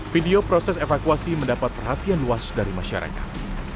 video proses evakuasi mendapat perhatian luas dari masyarakat